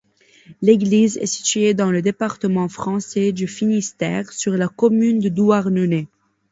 L'église est située dans le département français du Finistère, sur la commune de Douarnenez.